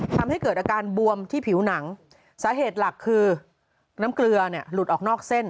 ทำให้เกิดอาการบวมที่ผิวหนังสาเหตุหลักคือน้ำเกลือเนี่ยหลุดออกนอกเส้น